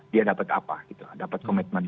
dia dapat apa gitu dapat komitmen